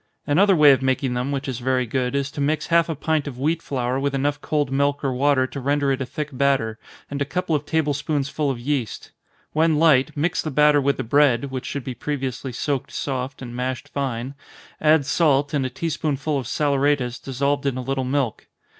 Another way of making them, which is very good, is to mix half a pint of wheat flour with enough cold milk or water to render it a thick batter, and a couple of table spoonsful of yeast. When light, mix the batter with the bread, (which should be previously soaked soft, and mashed fine,) add salt, and a tea spoonful of saleratus, dissolved in a little milk.